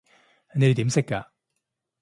你哋點識㗎？